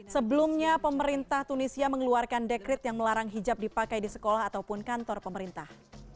sebelumnya pemerintah tunisia mengeluarkan dekret yang melarang hijab dipakai di sekolah ataupun kantor pemerintah